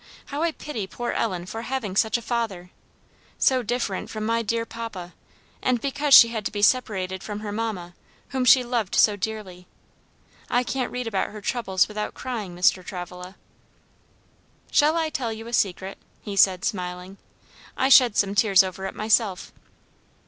How I pity poor Ellen for having such a father, so different from my dear papa; and because she had to be separated from her mamma, whom she loved so dearly. I can't read about her troubles without crying, Mr. Travilla." "Shall I tell you a secret," he said, smiling; "I shed some tears over it myself."